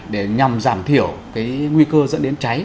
để nhằm giảm thiểu nguy cơ dẫn đến cháy